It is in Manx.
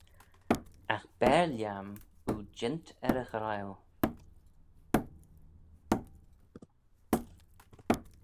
Agh bare lhiam oo jeant er y ghryle.